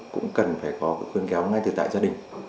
cũng cần phải có khuyến cáo ngay từ tại gia đình